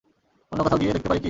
অন্য কোথাও গিয়ে দেখতে পারি কি?